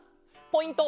ポイント